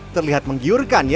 terlihat menggiurkan ya